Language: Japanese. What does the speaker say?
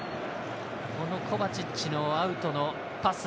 コバチッチのアウトのパス